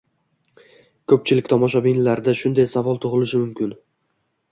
Koʻpchilik tomoshabinlarda shunday savol tugʻilishi mumkin: